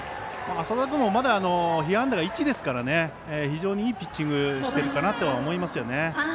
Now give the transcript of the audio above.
麻田君もまだ被安打が１ですから非常にいいピッチングをしているかなと思いますね。